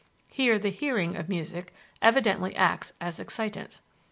Here the hearing of music evidently acts as excitant.